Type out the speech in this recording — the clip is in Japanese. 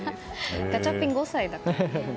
ガチャピン、５歳だからね。